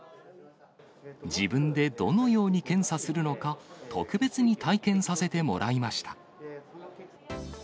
自分でどのように検査するのか、特別に体験させてもらいました。